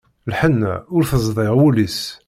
Lḥenna ur tezdiɣ ul-is.